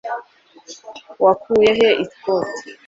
wakuye he ikoti